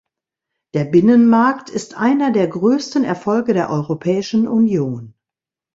Der Binnenmarkt ist einer der größten Erfolge der Europäischen Union.